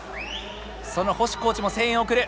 その星コーチも声援を送る。